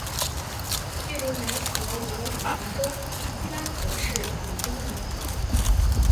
距离南佛罗里达州基拉戈市五公里。